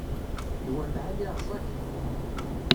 Ddwa n lεali rẓaget.